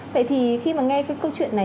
vậy thì khi mà nghe cái câu chuyện này